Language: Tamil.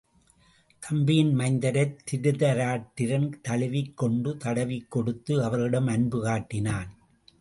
தம்பியின் மைந்தரைத் திருதராட்டிரன் தழுவிக் கொண்டு தடவிக் கொடுத்து அவர்களிடம் அன்பு காட்டினான்.